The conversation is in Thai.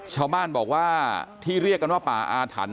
ชาวบ้านบอกว่าที่เรียกกันว่าป่าอาถรรพ